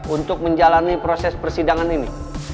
untuk menjalani proses persidangan ini